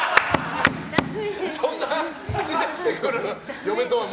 そんな口出してくる嫁とは？